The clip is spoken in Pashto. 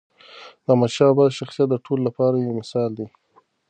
د احمدشاه بابا شخصیت د ټولو لپاره یو مثال دی.